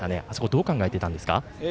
どう考えていたんですか？